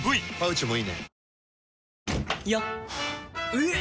えっ！